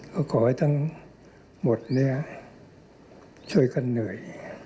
ก็ขอให้ทั้งหมดเนี่ยช่วยกันเหนื่อย